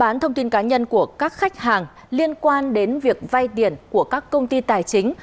cơ bản thông tin cá nhân của các khách hàng liên quan đến việc vay tiền của các công ty tài chính